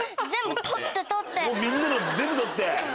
みんなのを全部取って。